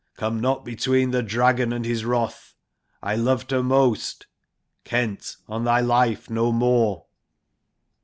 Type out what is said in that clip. Come not between the dragon and his wrath. I loved her most ... Kent, on thy life, no more.'